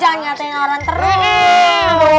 jangan nyatain orang terlalu